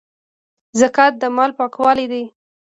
زکات د مال پاکوالی دی